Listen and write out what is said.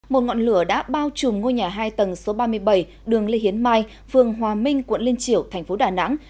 một ngọn lửa đã bao trùm ngôi nhà hai tầng số ba mươi bảy đường lê hiến mai phường hòa minh quận liên triểu thành phố đà nẵng